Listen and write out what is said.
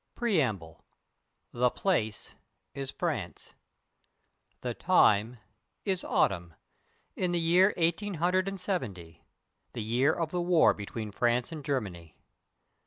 PREAMBLE. THE place is France. The time is autumn, in the year eighteen hundred and seventy the year of the war between France and Germany.